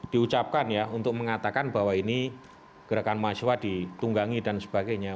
diucapkan ya untuk mengatakan bahwa ini gerakan mahasiswa ditunggangi dan sebagainya